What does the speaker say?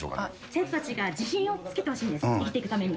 生徒たちが自信をつけてほしいんです、生きていくために。